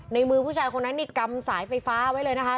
มือผู้ชายคนนั้นนี่กำสายไฟฟ้าไว้เลยนะคะ